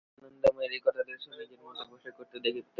আনন্দময়ীর এই কথাতে সে নিজের মনটা পরিষ্কার দেখিতে পাইল।